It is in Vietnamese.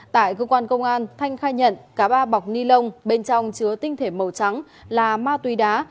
tại cơ quan công an thanh khai nhận cả ba bọc ni lông bên trong chứa tinh thể màu trắng là ma túy đá